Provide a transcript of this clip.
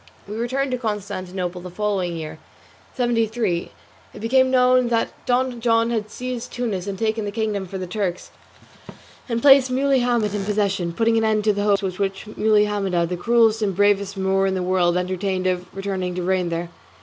We returned to Constantinople, and the following year, seventy three, it became known that Don John had seized Tunis and taken the kingdom from the Turks, and placed Muley Hamet in possession, putting an end to the hopes which Muley Hamida, the cruelest and bravest Moor in the world, entertained of returning to reign there.